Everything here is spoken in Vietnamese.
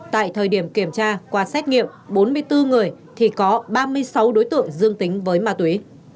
tại thời điểm kiểm tra qua xét nghiệm bốn mươi bốn người thì có ba mươi sáu đối tượng dương tính với ma túy